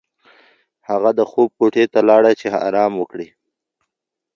هغه د خوب کوټې ته لاړه چې ارام وکړي.